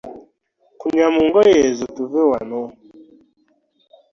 Kunya mu ngoye eze tube wano.